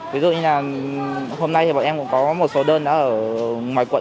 ví dụ như là hôm nay thì bọn em cũng có một số đơn đã ở ngoài quận